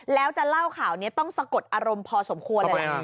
แล้วจะเล่าข่าวนี้ต้องสะกดอารมณ์พอสมควรเลยล่ะ